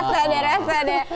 rasa deh rasa deh